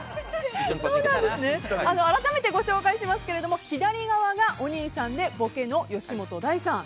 改めてご紹介しますけども左側がお兄さんでボケの吉本大さん。